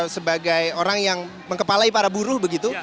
sebagai orang yang mengepalai para buruh begitu